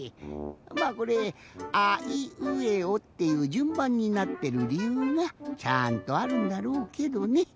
まあこれ「あいうえお」っていうじゅんばんになってるりゆうがちゃんとあるんだろうけどね。